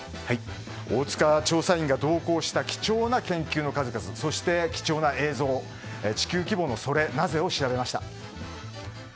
大塚調査員が同行した貴重な研究の数々そして、貴重な映像地球規模のソレなぜ？を調べました。